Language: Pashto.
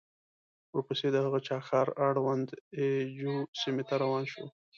ورپسې د هه چه ښار اړوند اي جو سيمې ته روان شوو.